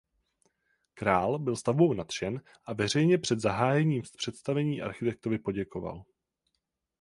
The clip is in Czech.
Král byl stavbou nadšen a veřejně před zahájením představení architektovi poděkoval.